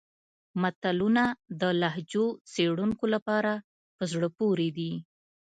متلونه د لهجو څېړونکو لپاره په زړه پورې دي